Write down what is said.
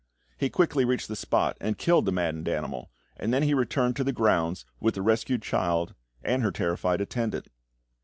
He quickly reached the spot, and killed the maddened animal, and then he returned to the grounds with the rescued child and her terrified attendant.